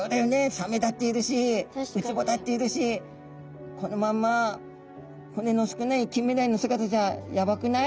サメだっているしウツボだっているしこのまんま骨の少ないキンメダイの姿じゃやばくない？」